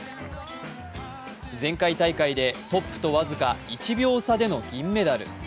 前回大会でトップと僅か１秒差での銀メダル。